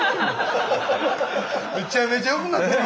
めちゃめちゃよくなってる！